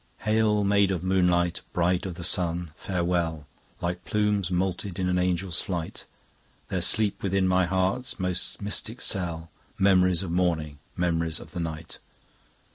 "Hail, maid of moonlight! Bride of the sun, farewell! Like bright plumes moulted in an angel's flight, There sleep within my heart's most mystic cell Memories of morning, memories of the night."